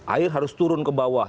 air harus turun ke bawah